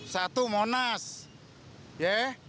satu monas ya